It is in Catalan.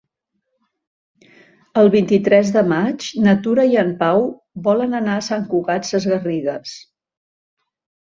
El vint-i-tres de maig na Tura i en Pau volen anar a Sant Cugat Sesgarrigues.